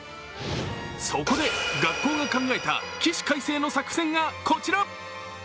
そこで学校が考えた起死回生の作戦がこちら。